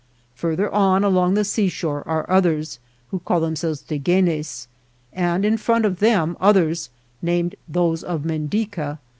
Further on, along the seashore, are others, who call themselves Deguenes, and in front of them others named those of Mendica.